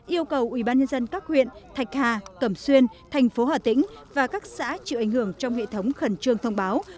yêu cầu ubnd các huyện thạch hà cẩm xuyên tp hòa tĩnh và các xã chịu ảnh hưởng trong hệ thống khẩn trương thông báo